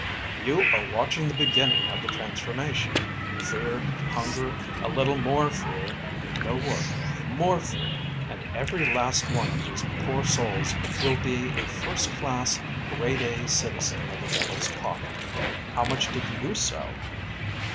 "You are watching the beginning of the transformation. Fear, hunger, a little more fear, no work, more fear, and every last one of these poor souls will be a first class, grade A citizen of the Devil's Pot. How much did you sell?"